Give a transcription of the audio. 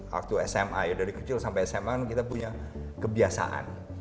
waktu sma ya dari kecil sampai sma kan kita punya kebiasaan